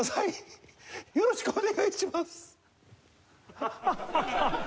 よろしくお願いします！